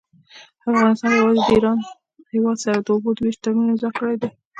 افغانستان يوازي د ايران هيواد سره د اوبو د ويش تړون امضأ کړي دي.